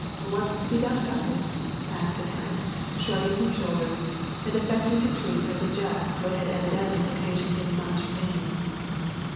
What's to be done about it ?" asked the count, shrugging his shoulders and affecting to treat as a jest what had evidently occasioned him much pain.